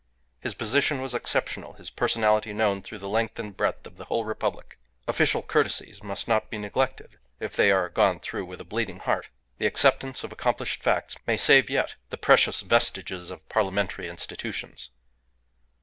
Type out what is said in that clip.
His position was exceptional, his personality known through the length and breadth of the whole Republic. Official courtesies must not be neglected, if they are gone through with a bleeding heart. The acceptance of accomplished facts may save yet the precious vestiges of parliamentary institutions.